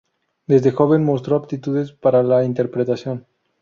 Desde joven mostró aptitudes para la interpretación.